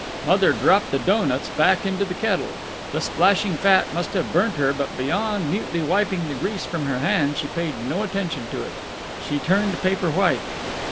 Mother dropped the doughnuts back into the kettle. The splashing fat must have burnt her, but beyond mutely wiping the grease from her hand, she paid no attention to it. She turned paper white.